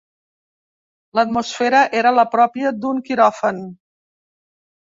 L'atmosfera era la pròpia d'un quiròfan.